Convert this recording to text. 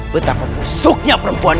betapa busuknya perempuan ini